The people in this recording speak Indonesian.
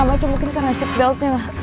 mungkin karena seatbeltnya lah